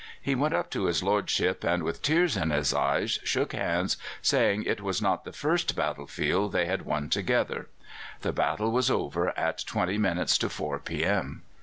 He went up to his lordship and, with tears in his eyes, shook hands, saying it was not the first battle field they had won together. The battle was over at twenty minutes to four p.m."